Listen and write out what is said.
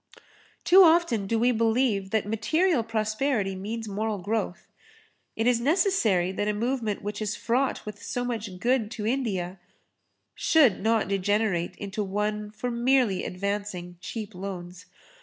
Too often do we believe that material prosperity means moral growth. It is necessary that a movement which is fraught with so much good to India should not degenerate into one for merely advancing cheap loans.